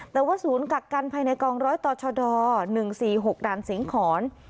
แต่ว่าศูนย์กักกันภายในกองร้อยต่อชด๑๔๖ด่านสิงหอน